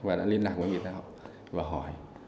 và đã liên lạc với người ta và hỏi